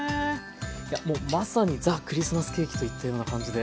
もうまさにザ・クリスマスケーキといったような感じで。